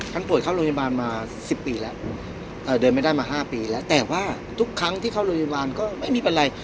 ป่วยเข้าโรงพยาบาลมา๑๐ปีแล้วเดินไม่ได้มา๕ปีแล้วแต่ว่าทุกครั้งที่เข้าโรงพยาบาลก็ไม่มีเป็นไร